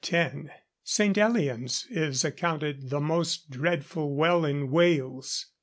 St. Elian's is accounted the most dreadful well in Wales.